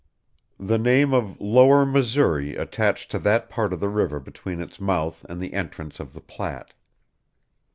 The name of Lower Missouri attached to that part of the river between its mouth and the entrance of the Platte.